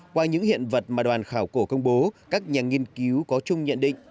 qua những hiện vật mà đoàn khảo cổ công bố các nhà nghiên cứu có chung nhận định